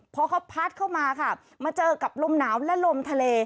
พอเขาพัดเข้ามาค่ะมาเจอกับลมหนาวและลมทะเล